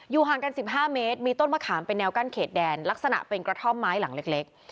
ห่างกัน๑๕เมตรมีต้นมะขามเป็นแนวกั้นเขตแดนลักษณะเป็นกระท่อมไม้หลังเล็ก